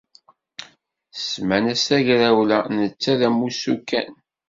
Semman-as tagrawla, netta d amussu kan.